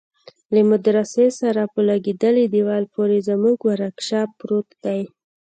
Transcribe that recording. له مدرسه سره په لگېدلي دېوال پورې زموږ ورکشاپ پروت دى.